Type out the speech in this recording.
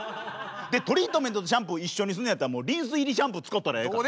でトリートメントとシャンプー一緒にすんねやったらもうリンス入りシャンプー使ったらええから。